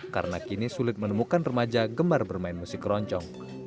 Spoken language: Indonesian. karena kini sulit menemukan remaja gemar bermain musik keroncong